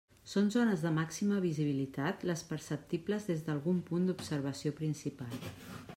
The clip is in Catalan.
Són zones de màxima visibilitat les perceptibles des d'algun punt d'observació principal.